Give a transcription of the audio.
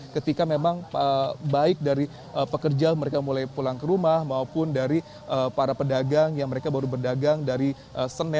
ketika memang baik dari pekerja mereka mulai pulang ke rumah maupun dari para pedagang yang mereka baru berdagang dari senin